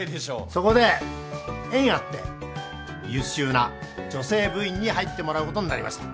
そこで縁あって優秀な女性部員に入ってもらうことになりました。